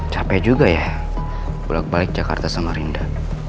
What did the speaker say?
capek juga ya pulak balik jakarta sama rinda